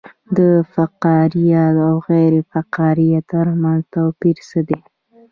د فقاریه او غیر فقاریه ترمنځ توپیر څه دی